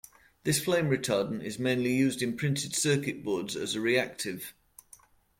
This flame retardant is mainly used in printed circuit boards, as a reactive.